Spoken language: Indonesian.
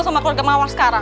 sama keluarga marwah sekarang